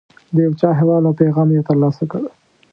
د یو چا احوال او پیغام یې ترلاسه کړ.